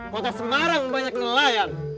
kota semarang banyak nelayan